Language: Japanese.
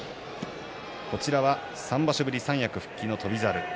一方３場所ぶり三役復帰の翔猿。